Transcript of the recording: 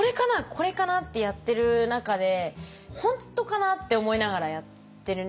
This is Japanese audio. これかな？」ってやってる中で「本当かな？」って思いながらやってるんですよ。